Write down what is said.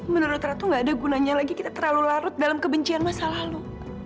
menurut ratu gak ada gunanya lagi kita terlalu larut dalam kebencian masa lalu